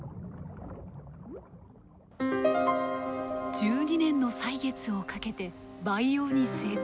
１２年の歳月をかけて培養に成功。